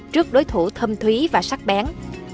trước đối thủ thâm thúy và sắc bén